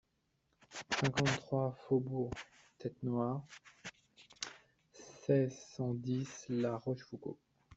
cinquante-trois faubourg Tête Noire, seize, cent dix, La Rochefoucauld